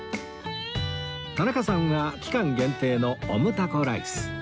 田中さんは期間限定のオムタコライス